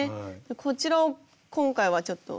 こちらを今回はちょっと。